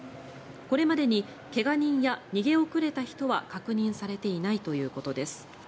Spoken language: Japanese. これまでに怪我人や逃げ遅れた人は確認されていないということです。